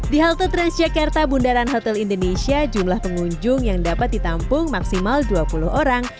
di halte transjakarta bundaran hotel indonesia jumlah pengunjung yang dapat ditampung maksimal dua puluh orang